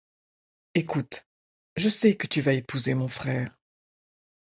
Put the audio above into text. Ecoute, je sais que tu vas épouser mon frère.